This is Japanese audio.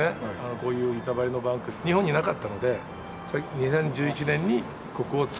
こういう板張りのバンク日本になかったので２０１１年にここを造って。